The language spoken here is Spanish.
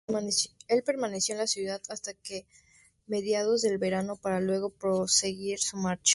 Él permaneció en la ciudad hasta mediados del verano, para luego proseguir su marcha.